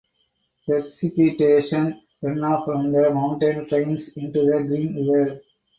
Precipitation runoff from the mountain drains into the Green River.